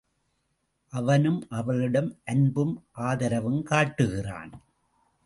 அவனும் அவளிடம் அன்பும் ஆதரவும் காட்டுகிறான்.